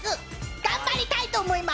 頑張りたいと思います。